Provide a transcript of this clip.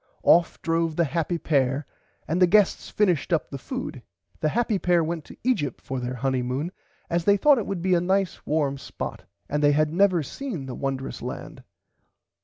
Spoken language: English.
Off drove the happy pair and the guests finished up the food. The happy pair went to Egypt for there Honymoon as they thought it would be a nice warm spot and they had never seen the wondrous land.